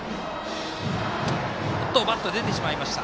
バット、出てしまいました。